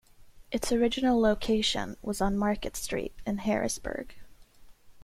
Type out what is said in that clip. Its original location was on Market Street in Harrisburg.